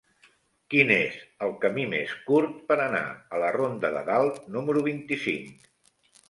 Quin és el camí més curt per anar a la ronda de Dalt número vint-i-cinc?